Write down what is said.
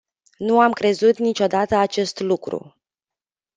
Nu am crezut niciodată acest lucru!